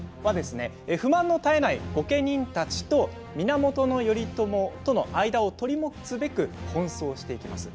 不満の絶えない御家人たちと源頼朝の間を取り持つべく奔走していきます。